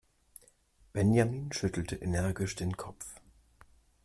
Benjamin schüttelte energisch den Kopf.